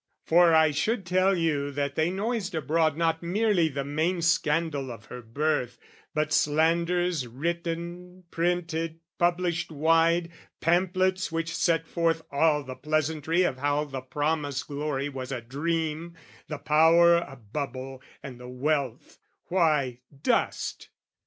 For I should tell you that they noised abroad Not merely the main scandal of her birth, But slanders written, printed, published wide, Pamphlets which set forth all the pleasantry Of how the promised glory was a dream, The power a bubble and the wealth why, dust.